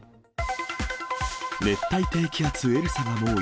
熱帯低気圧エルサが猛威。